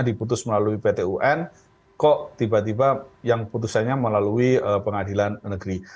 diputus melalui pt un kok tiba tiba yang putusannya melalui pengadilan negeri